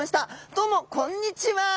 どうもこんにちは。